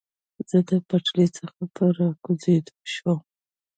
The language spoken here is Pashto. زه له پټلۍ څخه په را کوزېدو شوم.